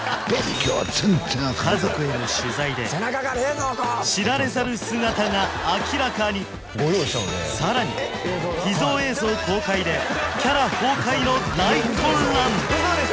家族への取材で知られざる姿が明らかにさらに秘蔵映像公開でキャラ崩壊の大混乱